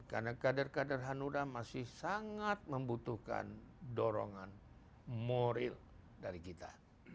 karena kadar kadar hanura masih sangat membutuhkan dorongan moral dari kita